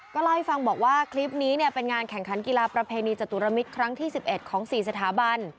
เล่าให้ฟังบอกว่าคลิปนี้เป็นงานแข่งขันกีฬาประเพณีจตุรมิตรครั้งที่๑๑ของ๔สถาบัน